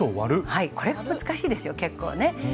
はいこれは難しいですよ結構ね。